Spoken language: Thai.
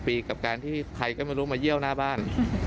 ปีกับการที่ใครก็ไม่รู้มาเยี่ยวหน้าบ้าน